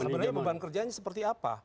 sebenarnya beban kerjanya seperti apa